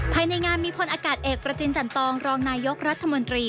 ภายในงานมีพลอากาศเอกประจินจันตองรองนายกรัฐมนตรี